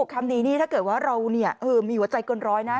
คำนี้นี่ถ้าเกิดว่าเรามีหัวใจเกินร้อยนะ